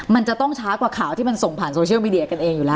มันจะต้องช้ากว่าข่าวที่มันส่งผ่านโซเชียลมีเดียกันเองอยู่แล้ว